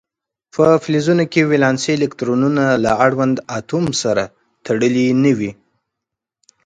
په فلزونو کې ولانسي الکترونونه له اړوند اتوم سره تړلي نه وي.